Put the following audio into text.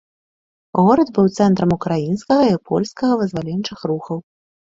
Горад быў цэнтрам украінскага і польскага вызваленчых рухаў.